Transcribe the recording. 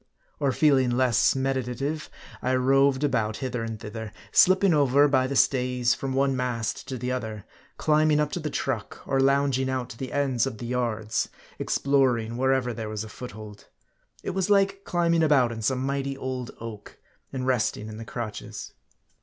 Or feeling less meditative, I roved about hither and thither ; slipping over, by the stays, from one mast to the other ; climbing up to the truck ; or lounging out to the ends of the yards ; exploring wherever there was a foothold. It was like climbing about in some mighty old oak, and resting in the crotches.